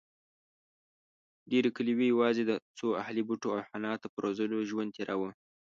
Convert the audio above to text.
ډېرې کلیوې یواځې د څو اهلي بوټو او حیواناتو په روزلو ژوند تېراوه.